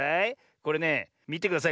これねみてください